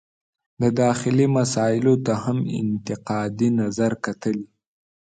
د داخلي مسایلو ته هم انتقادي نظر کتلي.